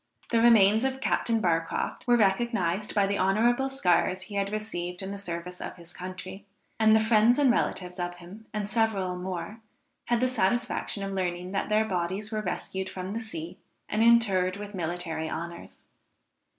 The remains of Captain Barcroft were recognised by the honorable scars he had received in the service of his country; and the friends and relatives of him, and several more, had the satisfaction of learning that their bodies were rescued from the sea, and interred with military honors.